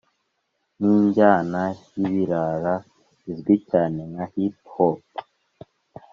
nk’injyana y’ibirara izwi cyane nka hip hop.